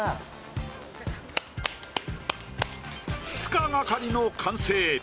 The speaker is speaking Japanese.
２日がかりの完成。